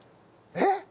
えっ？